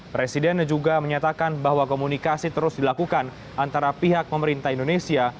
presiden juga menyatakan bahwa komunikasi terus dilakukan antara pihak pemerintah indonesia